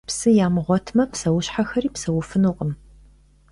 Псы ямыгъуэтмэ, псэущхьэхэри псэуфынукъым.